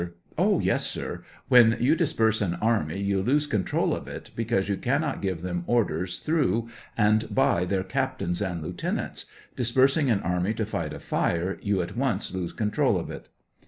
Oh, yes, sir; when you disperse an army you lose the control of it, because you cannot give them orders through and by their captains and lieutenants ; dispers ing an army to fight a fire, you at once lose control of it.